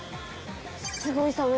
すごい寒い。